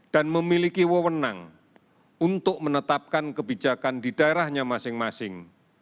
dan memiliki wewenang untuk menetapkan kebijakan di daerahnya masing masing